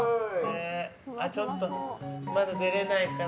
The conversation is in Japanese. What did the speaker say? ちょっとまだ出れないかな？